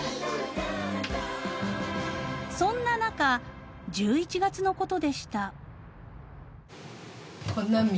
［そんな中１１月のことでした］